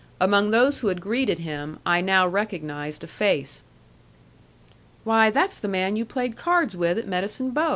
Among those who had greeted him I now recognized a face. "Why, that's the man you played cards with at Medicine Bow!"